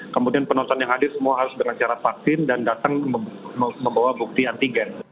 kemudian penonton yang hadir semua harus dengan syarat vaksin dan datang membawa bukti antigen